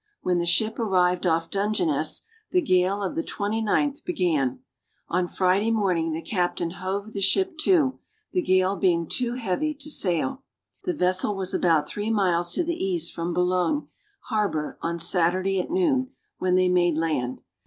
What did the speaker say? When the ship arrived off Dungeness, the gale of the 29th began. On Friday morning the captain hove the ship to, the gale being too heavy to sail. The vessel was about three miles to the east from Boulogne harbor on Saturday at noon, when they made land.